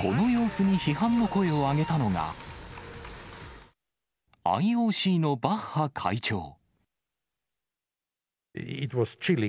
この様子に批判の声を上げたのが、ＩＯＣのバッハ会長。